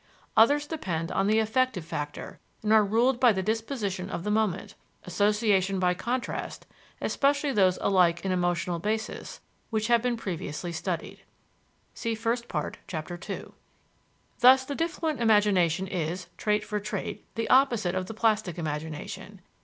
Others depend on the affective factor and are ruled by the disposition of the moment: association by contrast, especially those alike in emotional basis, which have been previously studied. (First Part, Chapter II.) Thus the diffluent imagination is, trait for trait, the opposite of the plastic imagination.